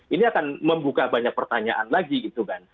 ini akan membuka banyak pertanyaan lagi gitu kan